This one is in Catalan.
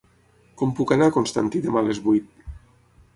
Com puc anar a Constantí demà a les vuit?